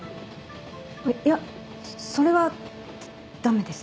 いやそれはダメです。